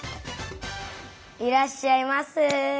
いらっしゃいませ！